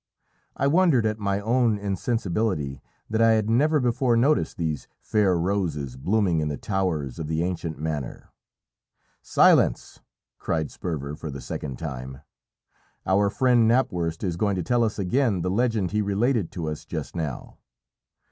I wondered at my own insensibility that I had never before noticed these fair roses blooming in the towers of the ancient manor. "Silence!" cried Sperver for the second time. "Our friend Knapwurst is going to tell us again the legend he related to us just now."